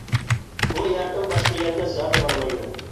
بۇ يەردىن باشقا يەرگە زادى بارمايمەن.